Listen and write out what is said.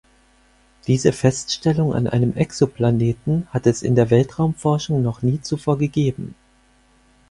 Diese Feststellung an einem Exoplaneten hatte es in der Weltraumforschung noch nie zuvor gegeben.